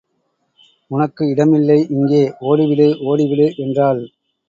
உனக்கு இடமில்லை இங்கே; ஓடிவிடு, ஓடிவிடு என்றாள்.